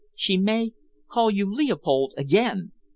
"She may call you Leopold again!"